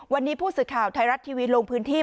วันนี้ผู้สื่อข่าวไทยรัฐทีวีลงพื้นที่